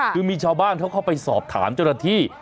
คือมีชาวบ้านเขาเข้าไปสอบถามจรฐี